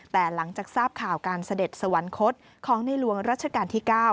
แต่หลังจากทราบข่าวการเสด็จสวรรคตของในหลวงรัชกาลที่๙